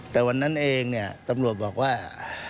แต่วันนั้นเองเนี่ยตำรวจบอกว่า